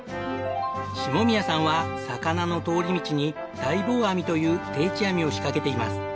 下宮さんは魚の通り道に大謀網という定置網を仕掛けています。